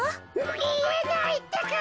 みえないってか。